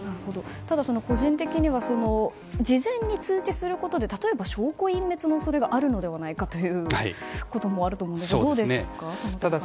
ただ、個人的には事前に通知することで例えば、証拠隠滅の恐れがあるのではないかということもあると思うんですが、どうですかその点に関しては。